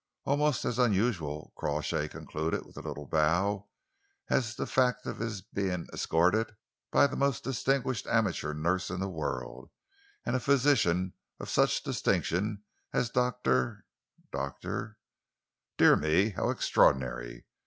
Almost as unusual," Crawshay concluded with a little bow, "as the fact of his being escorted by the most distinguished amateur nurse in the world, and a physician of such distinction as Doctor Doctor Dear me, how extraordinary!